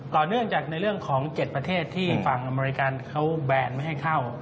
เนื่องจากในเรื่องของ๗ประเทศที่ฝั่งอเมริกันเขาแบนไม่ให้เข้า